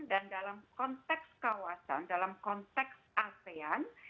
dan dalam konteks kawasan dalam konteks asean